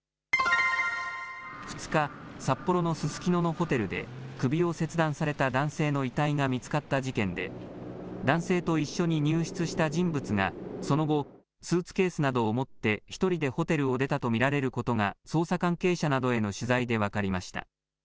２日、札幌のススキノのホテルで、首を切断された男性の遺体が見つかった事件で、男性と一緒に入室した人物が、その後、スーツケースなどを持って１人でホテルを出たと見られることが捜査関係者などへの取材で分かりました。